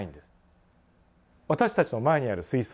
私たちの前にある水槽。